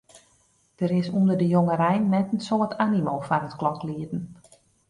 Der is ûnder de jongerein net in soad animo foar it kloklieden.